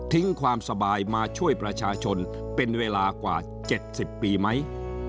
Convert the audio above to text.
ความสบายมาช่วยประชาชนเป็นเวลากว่า๗๐ปีไหม